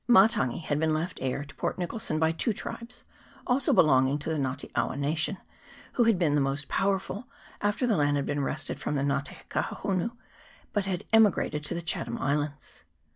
Matangi had been left heir to Port Nichol son by two tribes, also belonging to the Nga te awa nation, who had been the most powerful, after the land had been wrested from the Nga te Kahohunu, but had emigrated to the Chatham Islands.